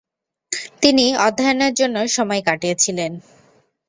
তিনি অধ্যয়নের জন্য সময় কাটিয়েছিলেন।